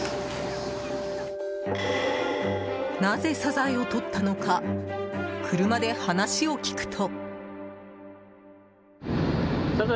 なぜサザエをとったのか車で話を聞くと。